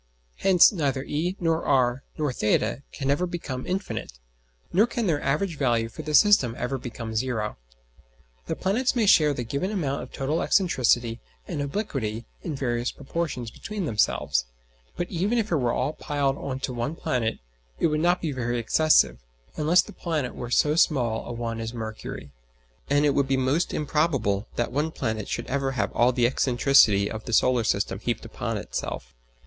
Hence neither e nor r nor [theta] can ever become infinite, nor can their average value for the system ever become zero. The planets may share the given amount of total excentricity and obliquity in various proportions between themselves; but even if it were all piled on to one planet it would not be very excessive, unless the planet were so small a one as Mercury; and it would be most improbable that one planet should ever have all the excentricity of the solar system heaped upon itself.